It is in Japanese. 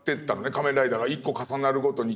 「仮面ライダー」が１個重なるごとに。